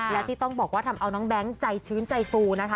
และที่ต้องบอกว่าทำเอาน้องแบงค์ใจชื้นใจฟูนะคะ